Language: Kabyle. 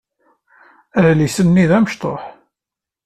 Adlis-nni d amecṭuḥ.